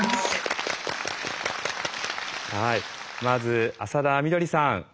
まず浅田みどりさん。